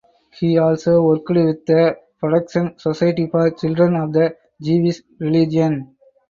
He also worked with the "Protection Society for Children of the Jewish Religion".